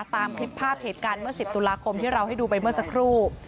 ตามคลิปภาพเหตุการณ์เมื่อ๑๐ตุลาคมที่เราให้ดูไปเมื่อสักครู่